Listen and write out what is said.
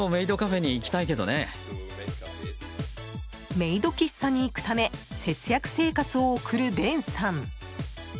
メイド喫茶に行くため節約生活を送るベンさん。